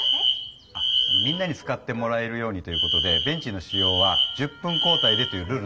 あみんなに使ってもらえるようにということでベンチの使用は１０分交代でというルールになりましたので。